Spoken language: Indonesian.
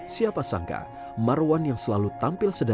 siapa sangka marwan yang selalu tampil sederhana